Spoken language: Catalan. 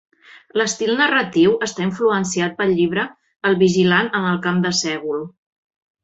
L'estil narratiu està influenciat pel llibre "El vigilant en el camp de sègol".